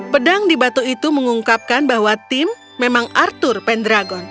pedang di batu itu mengungkapkan bahwa tim memang arthur pendragon